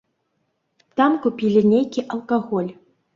Там купілі нейкі алкаголь.